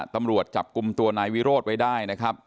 ตำรวจจับกลุ่มตัวนายวิโรธไว้ได้นะครับ